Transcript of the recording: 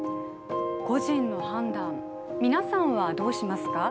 個人の判断、皆さんはどうしますか？